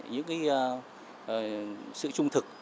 những cái sự trung thực